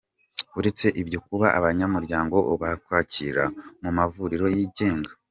Uretse ibyo kuba abanyamuryango bakwakirwa mu mavuriro yigenga, .